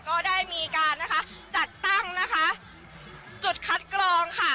ก็ได้มีการนะคะจัดตั้งนะคะจุดคัดกรองค่ะ